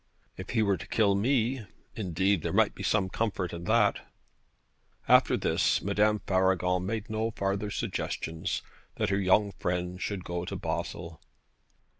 If he were to kill me, indeed, there might be some comfort in that.' After this Madame Faragon made no farther suggestions that her young friend should go to Basle.